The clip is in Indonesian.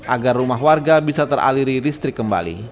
agar rumah warga bisa teraliri listrik kembali